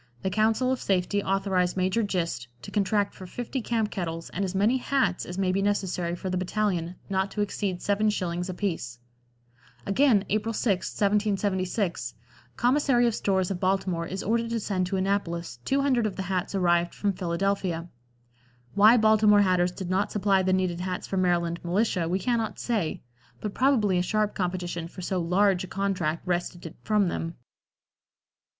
The Council of Safety authorize Major Gist to contract for fifty camp kettles and as many hats as may be necessary for the battalion, not to exceed 7 shillings apiece." Again, April 6, 1776, "Commissary of Stores of Baltimore is ordered to send to Annapolis 200 of the hats arrived from Philadelphia." Why Baltimore hatters did not supply the needed hats for Maryland militia we cannot say, but probably a sharp competition for so large a contract wrested it from them.